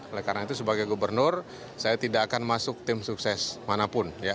oleh karena itu sebagai gubernur saya tidak akan masuk tim sukses manapun